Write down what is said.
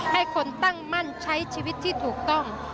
ให้คนตั้งมั่นใช้ชีวิตที่ถูกต้อง